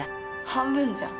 半分じゃん。